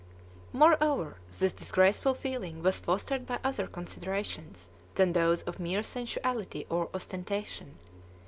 ] Moreover, this disgraceful feeling was fostered by other considerations than those of mere sensuality or ostentation.